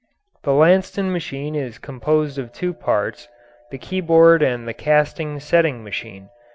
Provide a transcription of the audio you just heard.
The Lanston machine is composed of two parts, the keyboard and the casting setting machine.